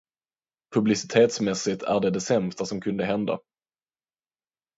Publicitetsmässigt är det det sämsta som kunde hända.